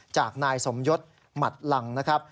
จากนายสมยศหมัดลังนะครับ